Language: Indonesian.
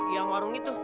yang warung itu